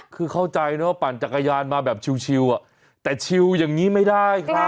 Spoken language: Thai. คือเข้าใจนะว่าปั่นจักรยานมาแบบชิลแต่ชิวอย่างนี้ไม่ได้ครับ